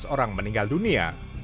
tujuh belas orang meninggal dunia